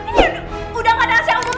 ini udah gak ada hasil umum lagi